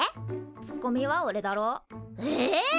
ツッコミはおれだろ？え？